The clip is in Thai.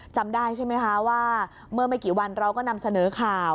จำได้ใช่ไหมคะว่าเมื่อไม่กี่วันเราก็นำเสนอข่าว